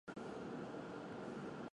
臀部有三个肛门。